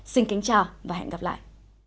xin kính chào và hẹn gặp lại